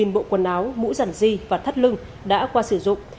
một bộ quần áo mũ giản di và thắt lưng đã qua sử dụng